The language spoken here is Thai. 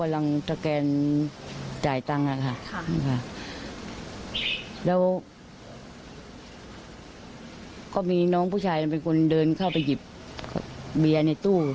แล้วก็มีน้องผู้ชายเป็นคนเดินเข้าไปหยิบเบียร์ในตู้